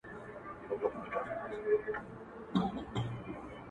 o سترگي كه نور هيڅ نه وي خو بيا هم خواخوږي ښيي.